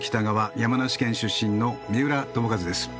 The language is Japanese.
山梨県出身の三浦友和です。